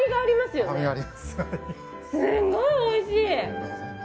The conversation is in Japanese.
すっごいおいしい！